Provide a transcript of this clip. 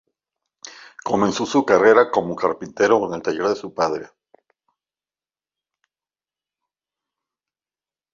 Comenzó su carrera como carpintero en el taller de su padre.